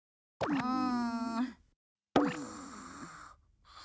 うん？